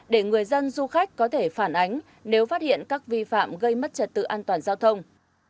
để người dân du khách có thể phản ánh nếu phát hiện các vi phạm gây mất trật tự an toàn giao thông